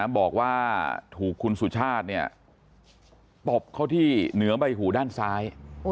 บอกว่าถูกคุณสุชาติตบเข้าที่เหนือใบหูด้านซ้าย